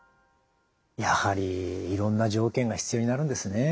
やはりいろんな条件が必要になるんですね。